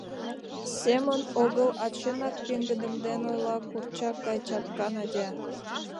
— Семын огыл, а чынак, — пеҥгыдемден ойла курчак гай чатка Надя.